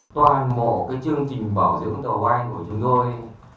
toàn bộ cái chương trình bảo dưỡng tổ bay của chúng tôi